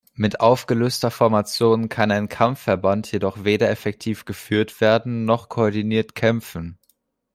Mit aufgelöster Formation kann ein Kampfverband jedoch weder effektiv geführt werden noch koordiniert kämpfen.